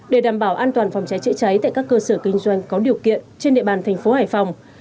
để đảm bảo an toàn phòng cháy chữa cháy tại các cơ sở kinh doanh có điều kiện trên địa bàn thành phố hải phòng